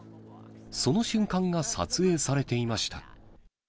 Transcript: その瞬間が撮影されていました。